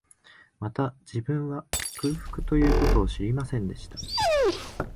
また、自分は、空腹という事を知りませんでした